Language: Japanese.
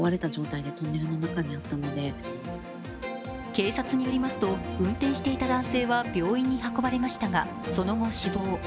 警察によりますと、運転していた男性は病院に運ばれましたがその後、死亡。